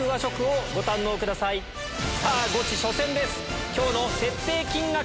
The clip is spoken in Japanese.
さぁゴチ初戦です！